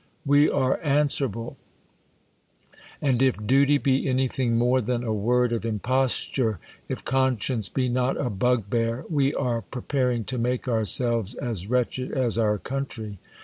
We are an swerable ; and if duty be any thing more than a word of imposture; if conscience be not a bugbear, we are preparing to make ourselves as wretched as our country.